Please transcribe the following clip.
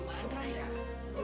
punya tas gak